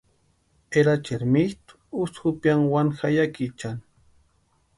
Erachieri mitʼu ústi jupiani wani jayakichani.